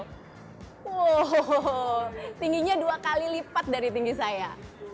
wow tingginya dua kali lipat dari tinggi saya